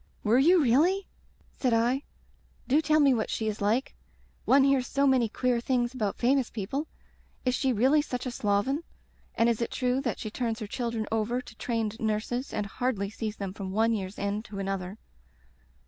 "Were you really?" said I. "Do tell me what she is like. One hears so many queer things about famous people. Is she really such a sloven ? And is it true that she turns her children over to trained nurses and hardly sees them from one year's end to another?"